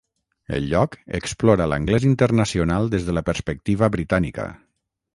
El lloc explora l'anglès internacional des de la perspectiva britànica.